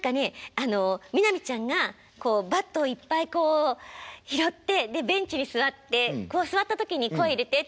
あの南ちゃんがこうバットをいっぱいこう拾ってベンチに座ってこう座った時に声入れてって言われて